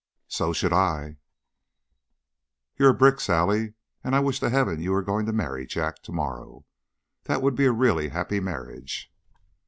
"So should I." "You're a brick, Sally, and I wish to heaven you were going to marry Jack to morrow. That would be a really happy marriage."